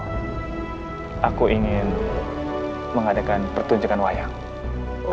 untuk membuatmu berhati hati dengan allah subhanahu wa ta'ala